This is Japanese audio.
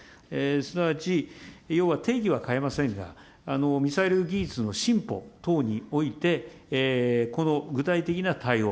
すなわち要は定義は変えませんが、ミサイル技術の進歩等において、具体的な対応。